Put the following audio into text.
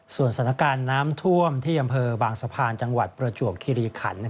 สถานการณ์น้ำท่วมที่อำเภอบางสะพานจังหวัดประจวบคิริขัน